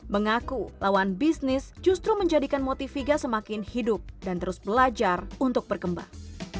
mengaku lawan bisnis justru menjadikan motiviga semakin hidup dan terus belajar untuk berkembang